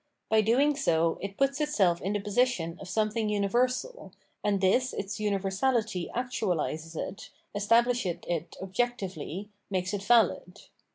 By doing so, it puts itself in the position of something universal, and this its universality actualises it, establishes it objectively, makes it valid.